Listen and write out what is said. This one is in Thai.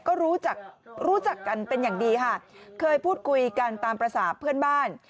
ก็รู้จักรู้จักกันเป็นอย่างดีค่ะเคยพูดคุยกันตามภาษาเพื่อนบ้าน